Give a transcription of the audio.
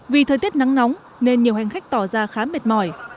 vì thời tiết nắng nóng nên nhiều hành khách tỏ ra khá mệt mỏi